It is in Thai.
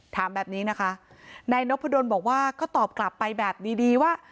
ถามแบบนี้นะคะนายนพดลบอกว่าก็ตอบกลับไปแบบดีดีว่า